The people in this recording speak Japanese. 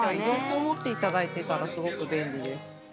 両方持っていただいてたらすごく便利です。